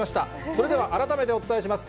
それでは改めてお伝えします。